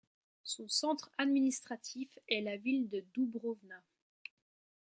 Son centre administratif est la ville de Doubrowna.